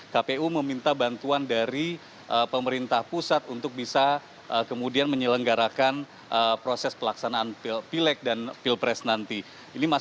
kpu meminta bantuan dari pemerintah pusat untuk bisa kemudian menyelenggarakan proses pelaksanaan pilek dan pilpres nanti